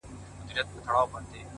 • گراني دا هيله كوم؛